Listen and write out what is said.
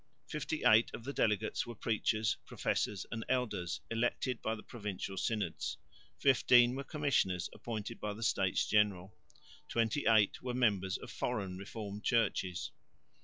Fifty eight of the delegates were preachers, professors and elders elected by the provincial synods, fifteen were commissioners appointed by the States General, twenty eight were members of foreign Reformed churches.